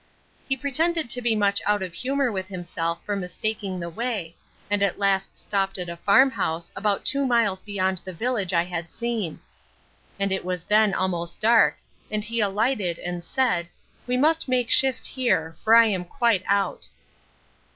He pretended to be much out of humour with himself for mistaking the way, and at last stopped at a farmhouse, about two miles beyond the village I had seen; and it was then almost dark, and he alighted, and said, We must make shift here; for I am quite out.